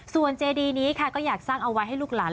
ส่วนเจดีนี้ค่ะก็อยากสร้างเอาไว้ให้ลูกหลาน